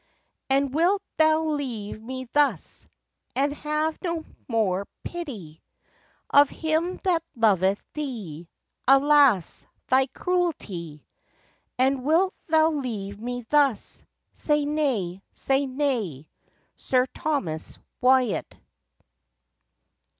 And wilt thou leave me thus, And have no more pity Of him that loveth thee? Alas! thy cruelty! And wilt thou leave me thus? Say nay! say nay! Sir Thomas Wyatt.